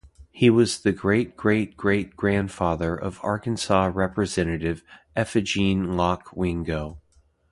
He was the great-great-great-grandfather of Arkansas Representative Effiegene Locke Wingo.